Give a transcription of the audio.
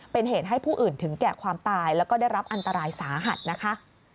เป็นเหตุให้ผู้อื่นถึงแก่ความตายแล้วก็ได้รับอันตรายสาหัสนะคะ